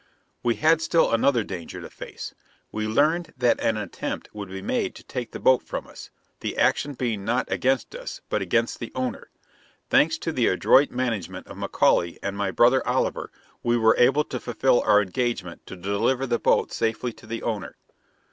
We had still another danger to face. We learned that an attempt would be made to take the boat from us, the action being not against us, but against the owner. Thanks to the adroit management of McAuley and my brother Oliver, we were able to fulfill our engagement to deliver the boat safely to the owner.